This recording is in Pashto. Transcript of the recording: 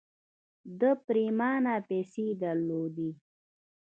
ده پرېمانه پيسې درلودې.